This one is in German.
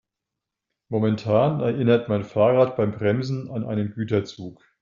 Momentan erinnert mein Fahrrad beim Bremsen an einen Güterzug.